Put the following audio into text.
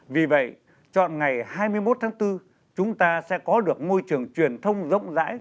vì vậy chọn ngày hai mươi một tháng bốn chúng ta sẽ có được môi trường truyền thông rộng rãi